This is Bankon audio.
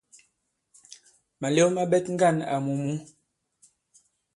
Màlew ma ɓɛt ŋgân àmù mǔ.